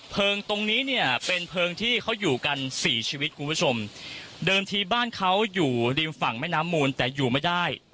ตรงนี้เนี่ยเป็นเพลิงที่เขาอยู่กันสี่ชีวิตคุณผู้ชมเดิมทีบ้านเขาอยู่ริมฝั่งแม่น้ำมูลแต่อยู่ไม่ได้